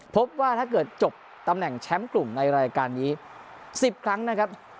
พบว่าถ้าเกิดจบตำแหน่งแชมป์กลุ่มในรายการนี้๑๐ครั้งนะครับ